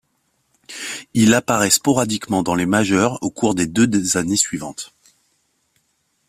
Il apparaît sporadiquement dans les majeures au cours des deux années suivantes.